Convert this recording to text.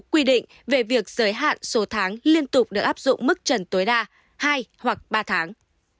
quy định về việc giới hạn số tháng liên tục được áp dụng mức trần tối đa hai hoặc ba tháng